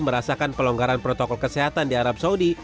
merasakan pelonggaran protokol kesehatan di arab saudi